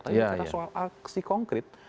bicara soal aksi konkret